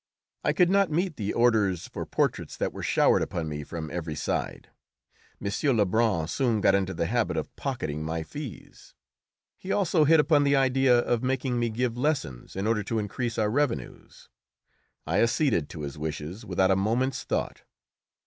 I could not meet the orders for portraits that were showered upon me from every side. M. Lebrun soon got into the habit of pocketing my fees. He also hit upon the idea of making me give lessons in order to increase our revenues. I acceded to his wishes without a moment's thought.